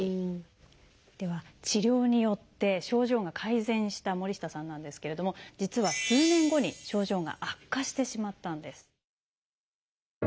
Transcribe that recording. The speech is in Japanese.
では治療によって症状が改善した森下さんなんですけれども実は数年後に症状が悪化してしまったんです。